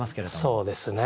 そうですね。